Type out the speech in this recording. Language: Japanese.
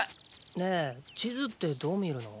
ねえ地図ってどう見るの？